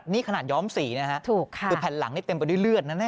นี่ขนาดย้อมสี่นะคะถือแผ่นหลังเต็มไปด้วยเลือดนั้นเนี่ย